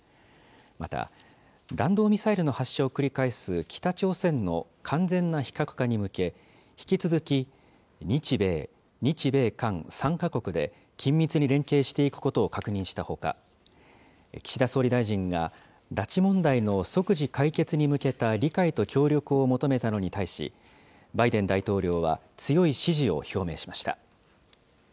また、弾道ミサイルの発射を繰り返す北朝鮮の完全な非核化に向け、引き続き日米、日米韓３か国で、緊密に連携していくことを確認したほか、岸田総理大臣が拉致問題の即時解決に向けた理解と協力を求めたのに対し、バイデン大統領は強い支持を表明しました。